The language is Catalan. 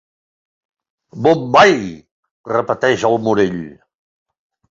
Bombai! —repeteix el Morell—.